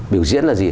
biểu diễn là gì